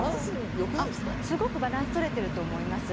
すごくバランスとれてると思います。